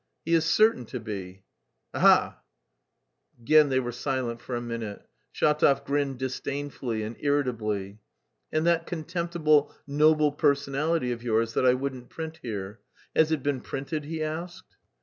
"He is certain to be." "Ha ha!" Again they were silent for a minute. Shatov grinned disdainfully and irritably. "And that contemptible 'Noble Personality' of yours, that I wouldn't print here. Has it been printed?" he asked.